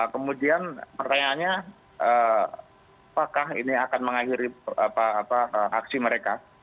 kemudian pertanyaannya apakah ini akan mengakhiri aksi mereka